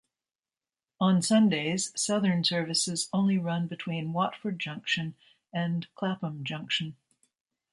On Sundays, Southern services only run between Watford Junction and Clapham Junction.